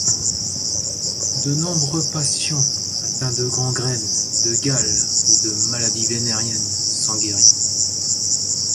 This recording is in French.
De nombreux patients, atteints de gangrène, de gale, ou de maladies vénériennes, sont guéris.